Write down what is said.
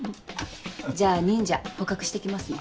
じゃあ忍者捕獲して来ますね。